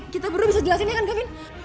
kita bisa jelasinnya kan gavin